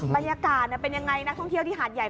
บรรยากาศเป็นยังไงนักท่องเที่ยวที่หาดใหญ่